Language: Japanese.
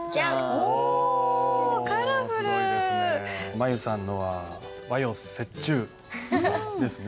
舞悠さんのは和洋折衷ですね。